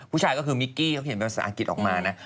ผู้ชายก็คือมิกกี้เขาเขียนภาษาอังกฤษออกมานะ